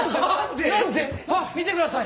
あっ見てください